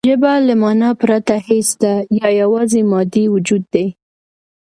ژبه له مانا پرته هېڅ ده یا یواځې مادي وجود دی